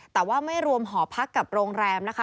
แต่ว่าไม่รวมหอพักกับโรงแรมนะคะ